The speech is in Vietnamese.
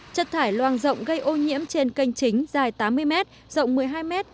chất thải loang rộng gây ô nhiễm trên canh chính dài tám mươi m rộng một mươi hai m